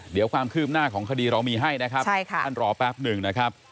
เดี๋ยวความคืบหน้าของคดีเรามีให้นะครับท่านรอแป๊บหนึ่งนะครับ